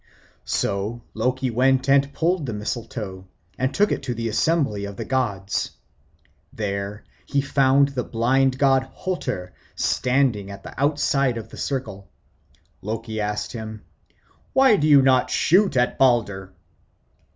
So Loki went and pulled the mistletoe and took it to the assembly of the gods. There he found the blind god Hother standing at the outside of the circle. Loki asked him, "Why do you not shoot at Balder?"